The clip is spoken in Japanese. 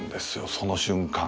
その瞬間。